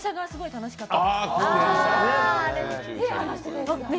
楽しかったです。